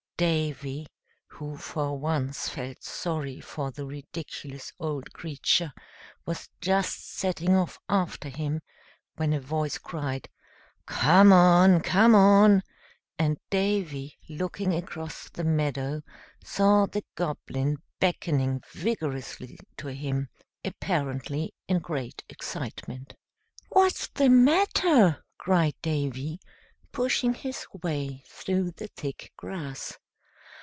Davy, who for once felt sorry for the ridiculous old creature, was just setting off after him, when a voice cried, "Come on! Come on!" and Davy, looking across the meadow, saw the Goblin beckoning vigorously to him, apparently in great excitement. "What's the matter?" cried Davy, pushing his way through the thick grass.